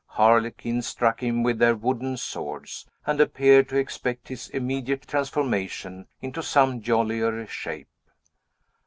Harlequins struck him with their wooden swords, and appeared to expect his immediate transformation into some jollier shape.